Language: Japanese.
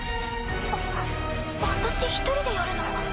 あっ私一人でやるの？